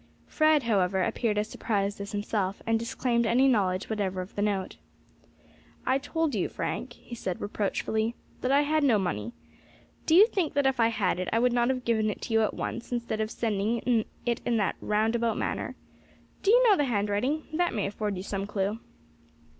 Fred, however, appeared as surprised as himself, and disclaimed any knowledge whatever of the note. "I told you, Frank," he said reproachfully, "that I had no money. Do you think that if I had it I would not have given it to you at once, instead of sending it in that roundabout manner? Do you know the handwriting? that may afford you some clue."